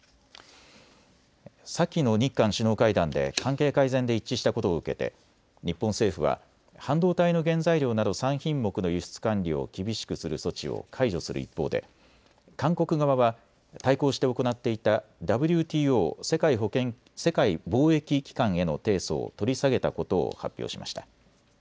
先の日韓首脳会談で関係改善で一致したことを受けて日本政府は半導体の原材料など３品目の輸出管理を厳しくする措置を解除する一方で韓国側は対抗して行っていたＷＴＯ・世界貿易機関への提訴を取り下げたことを発表しました。